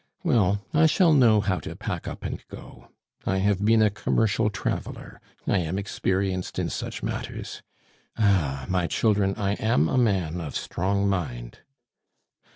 Well, I shall know how to pack up and go. I have been a commercial traveler; I am experienced in such matters. Ah! my children, I am a man of strong mind."